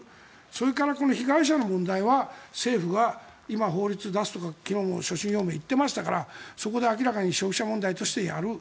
それから被害者の問題は政府が今、法律を出すとか昨日の所信表明言ってましたからそこで明らかに消費者問題としてやる。